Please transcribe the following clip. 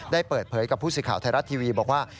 ได้เปิดเผยกับผู้สื่อข่าวไทยรัฐทีวีบอกว่า